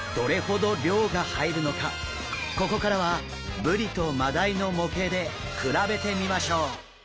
ここからはブリとマダイの模型で比べてみましょう。